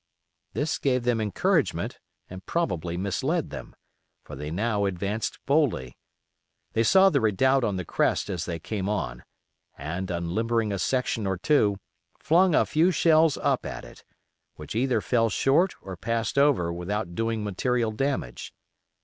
This gave them encouragement and probably misled them, for they now advanced boldly. They saw the redoubt on the crest as they came on, and unlimbering a section or two, flung a few shells up at it, which either fell short or passed over without doing material damage.